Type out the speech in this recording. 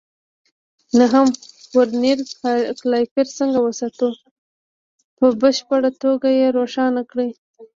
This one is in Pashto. نهم: ورنیر کالیپر څنګه وساتو؟ په بشپړه توګه یې روښانه کړئ.